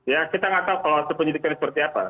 ya kita nggak tahu kalau hasil penyidikan seperti apa